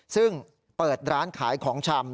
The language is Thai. ซึ่งเปิดร้านขายของชำ